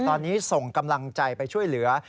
ตอนนี้ส่งกำลังใจไปช่วยเหลือ